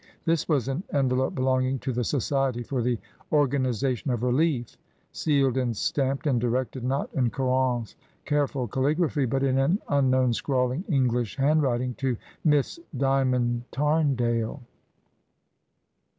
This was an envelope belonging to the Society for the Organisation of Relief, sealed and stamped, and directed, not in Caron's careful caligraphy, but in an unknown scrawling English handwriting to "Miss Dymond, Taxndale."